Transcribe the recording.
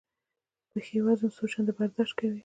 پښې وزن څو چنده برداشت کوي.